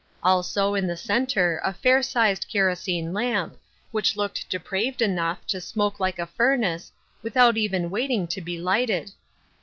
Also, in the center, a fair sized kerosene lamp, which looked depraved enough to smoke like a furnace, with out even waiting to be lighted